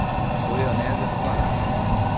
Goianésia do Pará